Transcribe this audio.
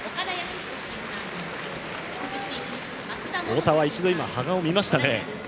太田は一度、羽賀を見ましたね。